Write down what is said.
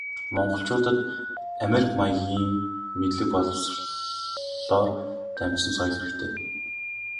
Монголчуудад америк маягийн мэдлэг боловсролоор дамжсан соёл хэрэгтэй.